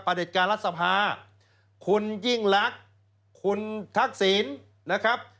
เด็จการรัฐสภาคุณยิ่งลักษณ์คุณทักษิณนะครับ